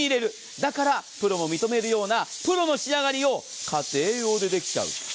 だからプロも認めるようなプロの仕上がりを家庭用でできちゃう。